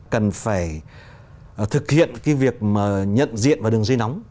cần phải thực hiện việc nhận diện và đừng dây nóng